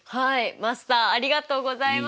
マスターありがとうございます。